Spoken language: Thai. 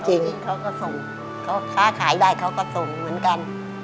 จริงเขาก็ส่งเขาค้าขายได้เขาก็ส่งเหมือนกัน